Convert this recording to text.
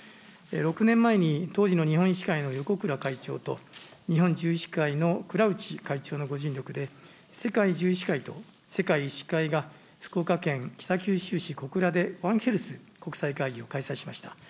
６年前に当時の日本医師会のよこくら会長と、日本獣医師会のくらうち会長のご尽力で、世界獣医師会と世界医師会が福岡県北九州市小倉でワンヘルス国際会議を開催しました。